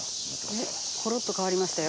コロッと変わりましたよ。